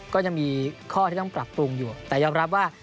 ก็ยังมีข้อที่ต้องปรับปรุงอยู่แต่ยอมรับว่า